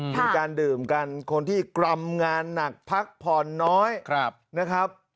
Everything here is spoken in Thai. มีการดื่มกันคนที่กรำงานหนักพักผ่อนน้อยนะครับ